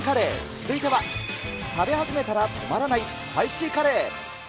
続いては、食べ始めたら止まらないスパイシーカレー。